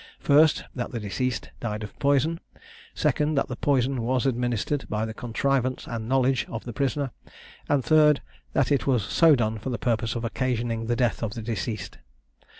1st. That the deceased died of poison. 2nd. That that poison was administered by the contrivance and knowledge of the prisoner. And 3rd. That it was so done for the purpose of occasioning the death of the deceased.